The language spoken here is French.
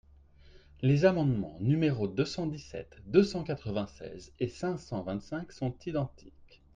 Les amendements numéros deux cent dix-sept, deux cent quatre-vingt-seize et cinq cent vingt-cinq sont identiques.